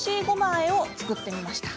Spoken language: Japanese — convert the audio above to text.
あえを作ってみました。